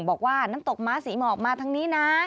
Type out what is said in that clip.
บอกว่าน้ำตกม้าศรีหมอกมาทางนี้นะ